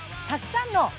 たくさんの。